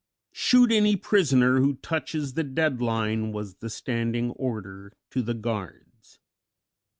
"Shoot any prisoner who touches the "dead line" was the standing order to the guards.